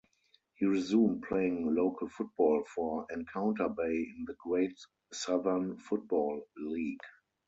He resumed playing local football for Encounter Bay in the Great Southern Football League.